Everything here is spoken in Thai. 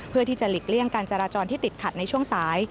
เพื่อที่จะหลีกเลี่ยงการจราจรที่ติดขัดในช่วงสาย